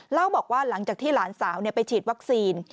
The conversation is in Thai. เล่าบอกว่าหลังจากที่หลานสาวไปฉีดวัคซีน